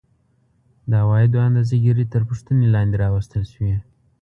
د عوایدو اندازه ګیري تر پوښتنې لاندې راوستل شوې